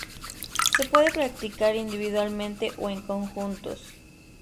Se puede practicar individualmente o en conjuntos.